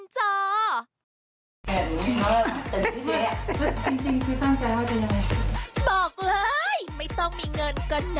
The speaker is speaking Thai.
จ๊ะจ๊ะริมจ่อ